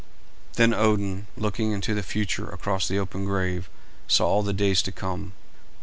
Then Odin, looking into the future across the open grave, saw all the days to come.